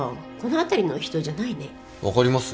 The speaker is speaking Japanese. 分かります？